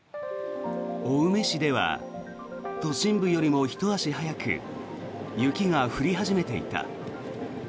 青梅市では都心部よりもひと足早く雪が降り始めていた。